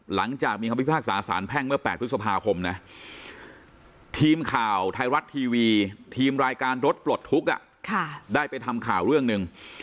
หลังจากมีคำพิพากษาสารแพ่งเมื่อ๘พฤษภาคมนะทีมข่าวไทยรัฐทีวีทีมรายการรถปลดทุกข์ได้ไปทำข่าวเรื่องหนึ่ง